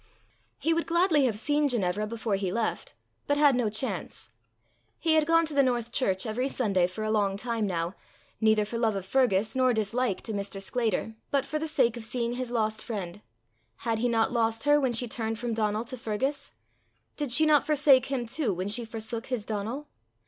He would gladly have seen Ginevra before he left, but had no chance. He had gone to the North church every Sunday for a long time now, neither for love of Fergus, nor dislike to Mr. Sclater, but for the sake of seeing his lost friend: had he not lost her when she turned from Donal to Fergus? Did she not forsake him too when she forsook his Donal?